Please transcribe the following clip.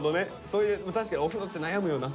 そういう確かにお風呂って悩むよな。